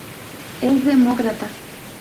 Es demócrata.